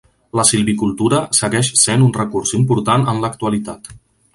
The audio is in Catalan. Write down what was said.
La silvicultura segueix sent un recurs important en l'actualitat.